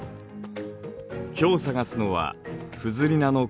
今日探すのはフズリナの化石。